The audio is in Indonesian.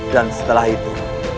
dan setelah itu